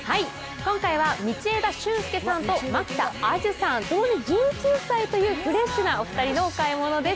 今回は道枝駿佑さんと蒔田彩珠さん、共に１９歳というフレッシュなお買い物です。